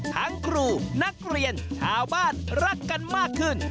ครูนักเรียนชาวบ้านรักกันมากขึ้น